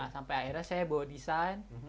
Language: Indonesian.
sampai akhirnya saya bawa desain